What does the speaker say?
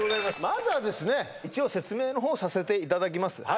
まずはですね一応説明の方させていただきます